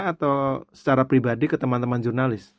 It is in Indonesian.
atau secara pribadi ke teman teman jurnalis